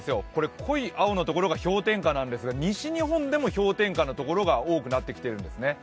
濃い青の所が氷点下なんですが西日本でも氷点下のところが多くなってきているんですね。